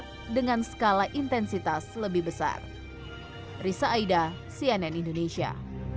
pembangunan rumah dan bangunan rumah ini lebih kuat dengan skala intensitas lebih besar